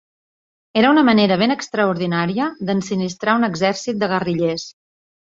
Era una manera ben extraordinària d'ensinistrar un exèrcit de guerrillers.